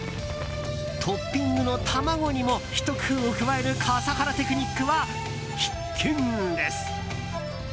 トッピングの卵にもひと工夫を加える笠原テクニックは必見です。